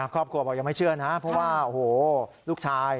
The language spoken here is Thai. ครอบครัวบอกยังไม่เชื่อนะเพราะว่าโอ้โหลูกชาย